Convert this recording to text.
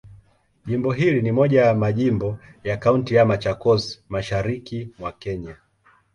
Jimbo hili ni moja ya majimbo ya Kaunti ya Machakos, Mashariki mwa Kenya.